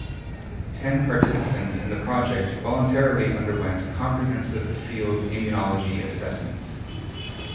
Ten participants in the project voluntarily underwent comprehensive field immunology assessments.